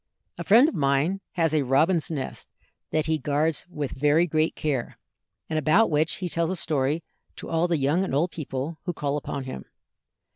A friend of mine has a robin's nest that he guards with very great care, and about which he tells a story to all the young and old people who call upon him.